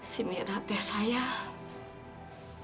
si mirna teh sayang